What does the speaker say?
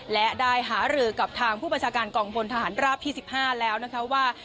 และได้หารือกับทางผู้บัญชาการกองพลทหารราบที่๑๕แล้วนะคะว่า